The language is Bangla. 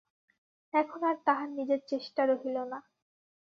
এখন আর তাহার নিজের চেষ্টা রহিল না।